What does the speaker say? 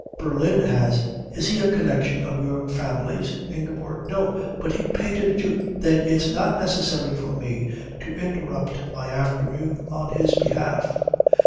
Berlin has " "Is he a connection of your family's, Ingeborg?" "No, but he painted Ju " "Then it is not necessary for me to interrupt my afternoon on his behalf."